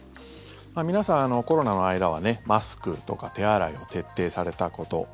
皆さん、コロナの間はマスクとか手洗いを徹底されたこと。